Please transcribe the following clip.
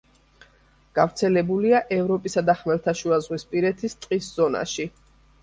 გავრცელებულია ევროპისა და ხმელთაშუაზღვისპირეთის ტყის ზონაში.